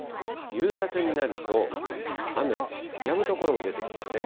夕方になると、雨、やむ所も出てきますね。